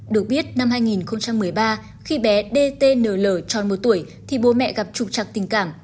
được biết năm hai nghìn một mươi ba khi bé dtn tròn một tuổi thì bố mẹ gặp trục chặt tình cảm